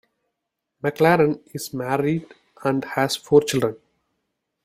McLaren is married and has four children.